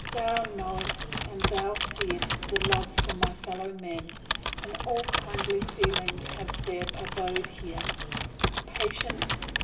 Thou knowest, and Thou seest that love for my fellowmen, and all kindly feeling have their abode here. Patience!